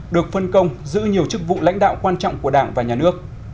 được phân công giữ nhiều chức vụ lãnh đạo quan trọng của đảng và nhà nước